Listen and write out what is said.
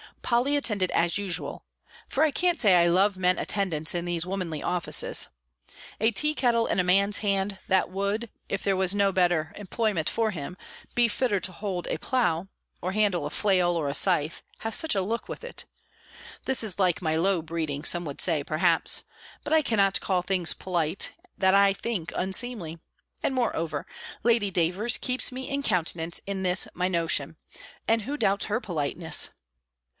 Polly attended, as usual; for I can't say I love men attendants in these womanly offices. A tea kettle in a man's hand, that would, if there was no better employment for him, be fitter to hold a plough, or handle a flail, or a scythe, has such a look with it! This is like my low breeding, some would say, perhaps, but I cannot call things polite, that I think unseemly; and, moreover. Lady Davers keeps me in countenance in this my notion; and who doubts her politeness?